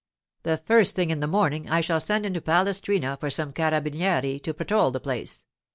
The first thing in the morning, I shall send into Palestrina for some carabinieri to patrol the place.